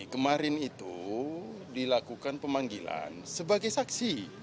kemarin itu dilakukan pemanggilan sebagai saksi